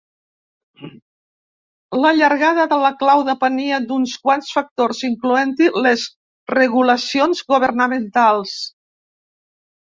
La llargada de la clau depenia d'uns quants factors, incloent-hi les regulacions governamentals.